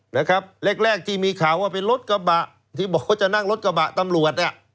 นะครับแรกแรกที่มีข่าวว่าเป็นรถกระบะที่บอกว่าจะนั่งรถกระบะตำรวจอ่ะ